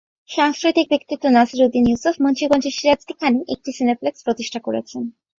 সাংস্কৃতিক ব্যক্তিত্ব নাসির উদ্দীন ইউসুফ মুন্সিগঞ্জের সিরাজদিখানে একটি সিনেপ্লেক্স প্রতিষ্ঠা করেছেন।